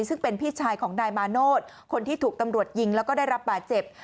ซึ่งเป็นพี่ชายของนายมาโนธคนที่ถูกตำรวจยิงแล้วก็ได้รับบาดเจ็บ